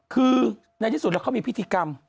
คือในที่สุดแล้วเขามีพิธีกรรม